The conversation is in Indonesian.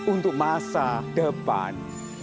untuk masa depan